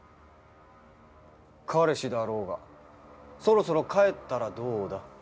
彼氏だろうがそろそろ帰ったらどうだ？